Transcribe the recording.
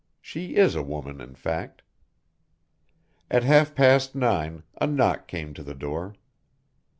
She is a woman in fact. At half past nine, a knock came to the door.